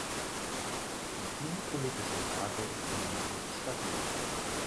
Die politische Lage ist immer noch nicht stabil.